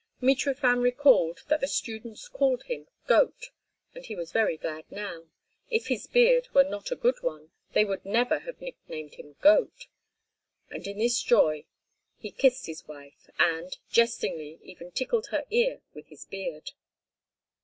Mitrofan recalled that the students called him "goat," and he was very glad now. If his beard were not a good one they would never have nicknamed him "goat." And in this joy he kissed his wife and, jestingly, even tickled her ear with his beard.